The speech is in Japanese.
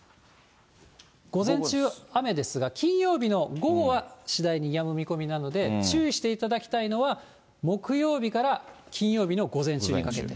午前中、雨ですが、金曜日の午後は、次第にやむ見込みなので注意していただきたいのは、木曜日から金曜日の午前中にかけて。